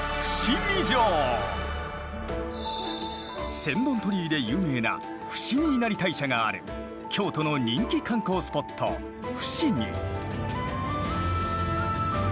千本鳥居で有名な伏見稲荷大社がある京都の人気観光スポット伏見。